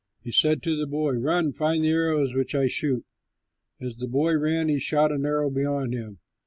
He said to his boy, "Run, find now the arrows which I shoot." As the boy ran, he shot an arrow beyond him.